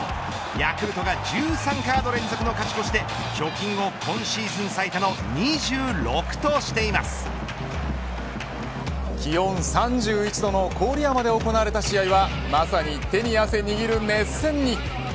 ヤクルトが１３カード連続の勝ち越しで貯金を今シーズン気温３１度の郡山で行われた試合はまさに手に汗握る熱戦に。